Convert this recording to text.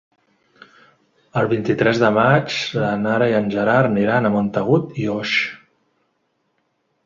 El vint-i-tres de maig na Nara i en Gerard aniran a Montagut i Oix.